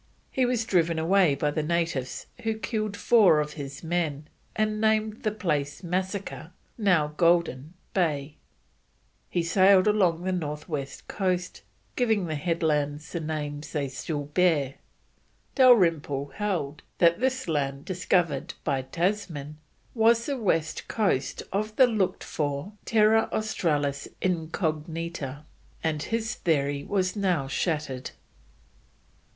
He was driven away by the natives, who killed four of his men, and naming the place Massacre (now Golden) Bay, he sailed along the north west coast, giving the headlands the names they still bear. Dalrymple held that this land discovered by Tasman was the west coast of the looked for Terra Australis Incognita, and his theory was now shattered.